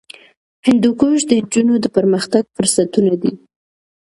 هندوکش د نجونو د پرمختګ فرصتونه دي.